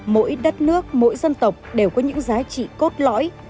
mỗi đất nước mỗi dân tộc đều có những giá trị cốt lõi